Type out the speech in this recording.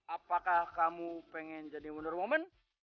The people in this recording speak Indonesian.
apakah kamu pengen jadi wonder woman